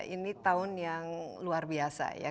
ini tahun yang luar biasa ya